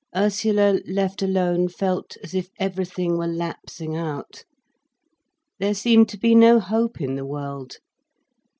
Ursula, left alone, felt as if everything were lapsing out. There seemed to be no hope in the world.